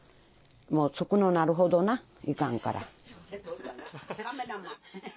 もう少のうなるほどいかんから。